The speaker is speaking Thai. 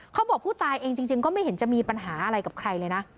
เขาบอกผู้ตายเองจริงก็ไม่เห็นจะมีปัญหาอะไรกับใครเลยนะ